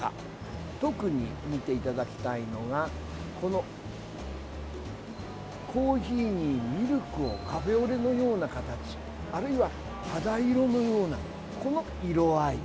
特に見ていただきたいのがこの、コーヒーにミルクをカフェオレのような形あるいは肌色のようなこの色合い。